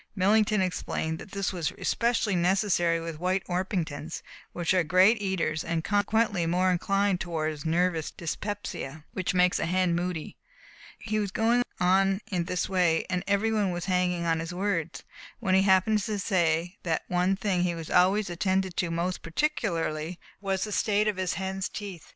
Millington explained that this was especially necessary with White Orpingtons, which are great eaters and consequently more inclined toward nervous dyspepsia, which makes a hen moody. He was going on in this way, and every one was hanging on his words, when he happened to say that one thing he always attended to most particularly was the state of his hens' teeth.